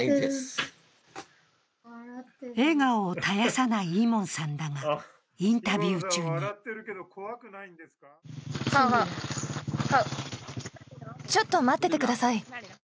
笑顔を絶やさないイモンさんだが、インタビュー中にちょっと待っててください。